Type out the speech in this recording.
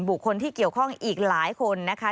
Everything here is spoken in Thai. บุคคลที่เกี่ยวข้องอีกหลายคนนะคะ